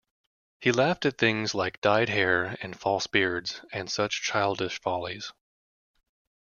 He laughed at things like dyed hair and false beards and such childish follies.